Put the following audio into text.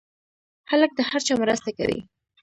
هلک د هر چا مرسته کوي.